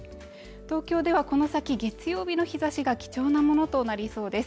東京ではこの先、月曜日の日ざしが貴重なものとなりそうです。